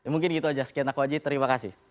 mungkin gitu aja skien aku aja terima kasih